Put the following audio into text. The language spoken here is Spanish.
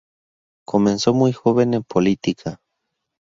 Comenzó muy joven en política.